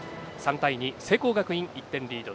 ３対２、聖光学院、１点リード。